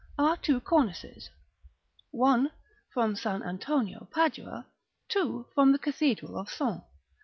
are two cornices; 1 from St. Antonio, Padua; 2, from the Cathedral of Sens.